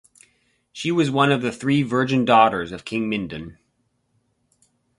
She was one of the three virgin daughters of King Mindon.